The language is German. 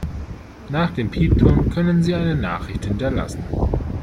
Nach dem Piepton können Sie eine Nachricht hinterlassen.